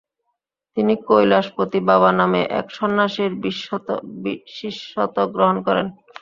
তিনি কৈলাশপতি বাবা নামে এক সন্ন্যাসীর শিষ্যত্ব গ্রহণ করেন।